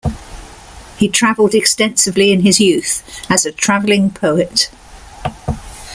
He travelled extensively in his youth as a travelling poet.